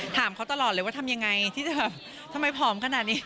ถามเขาตลอดเลยว่าทำยังไงที่จะทำไมผอมขนาดนี้